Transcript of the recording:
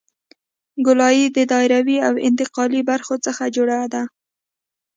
ګولایي د دایروي او انتقالي برخو څخه جوړه ده